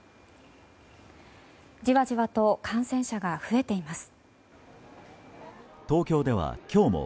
じわじわと感染者が増えています。